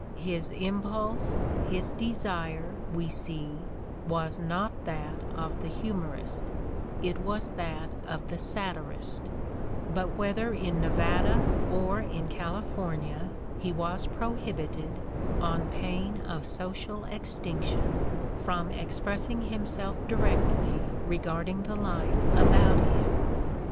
His impulse, his desire, we see, was not that of the "humorist"; it was that of the satirist; but whether in Nevada or in California he was pro hibited, on pain of social extinction, from expressing himself directly regarding the life about him.